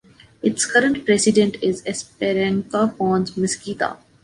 Its current president is Esperança Pons Mesquida.